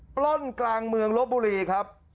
ปล้นกลางเมืองลบบุรีครับ